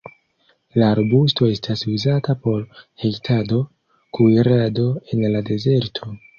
La arbusto estas uzata por hejtado, kuirado en la dezerto.